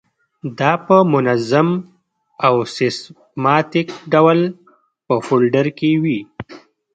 دا په منظم او سیستماتیک ډول په فولډر کې وي.